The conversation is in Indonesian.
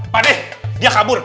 pak deh dia kabur